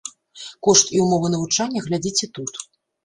Кошт і ўмовы навучання глядзіце тут.